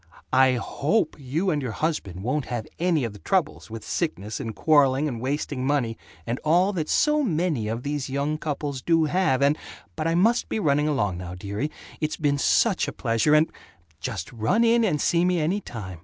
" I HOPE you and your husband won't have any of the troubles, with sickness and quarreling and wasting money and all that so many of these young couples do have and But I must be running along now, dearie. It's been such a pleasure and Just run in and see me any time.